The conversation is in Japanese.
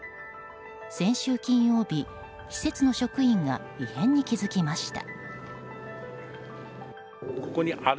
先週金曜日、施設の職員が異変に気づきました。